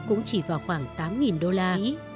cũng chỉ vào khoảng tám đô la